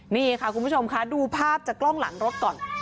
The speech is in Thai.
นี่ค่ะคุณผู้ชมค่ะดูภาพจากกล้องหลังรถก่อน